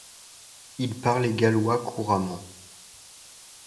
Il parlait gallois couramment.